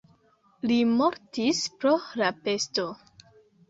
Li mortis pro la pesto.